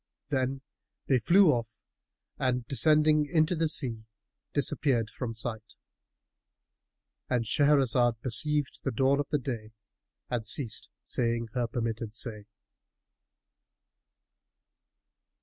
Then they flew off and descending into the sea, disappeared from sight.——And Shahrazad perceived the dawn of day and ceased saying her permitted say.